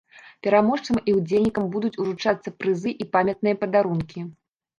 Пераможцам і ўдзельнікам будуць уручацца прызы і памятныя падарункі.